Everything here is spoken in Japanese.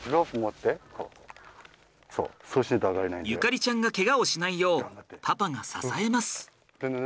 縁ちゃんがケガをしないようパパが支えます。